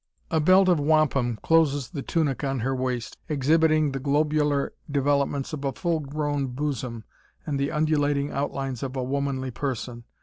A belt of wampum closes the tunic on her waist, exhibiting the globular developments of a full grown bosom and the undulating outlines of a womanly person.